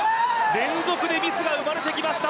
連続でミスが生まれてきました